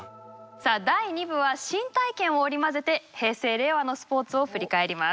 さあ第２部は新体験を織り交ぜて平成・令和のスポーツを振り返ります。